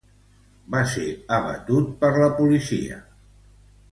Va ser abatut per la policia.